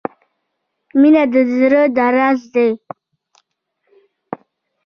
• مینه د زړۀ درزا ده.